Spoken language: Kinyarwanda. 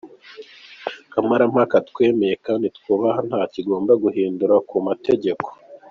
Kamarampaka, twemera kandi twubaha ntacyo igomba guhindura ku mategeko.